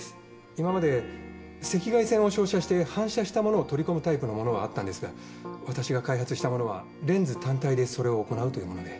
今まで赤外線を照射して反射したものを取り込むタイプのものはあったんですが私が開発したものはレンズ単体でそれを行なうというもので。